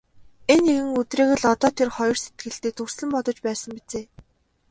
Энэ нэгэн өдрийг л одоо тэр хоёр сэтгэлдээ дүрслэн бодож байсан биз ээ.